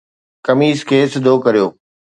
قميص کي سڌو ڪريو